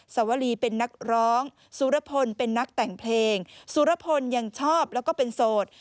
สวรีเป็นนักร้องสุรพลเป็นนักแต่งเพลงสุรพลยังชอบแล้วก็เป็นโสด